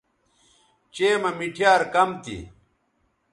چئے مہ مِٹھیار کم تھی